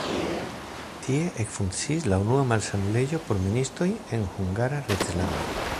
Tie ekfunkciis la unua malsanulejo por ministoj en Hungara reĝlando.